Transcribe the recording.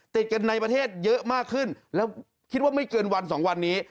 ติดกันในประเทศเยอะมากขึ้นแล้วคิดว่าไม่เกินวันสองวันนี้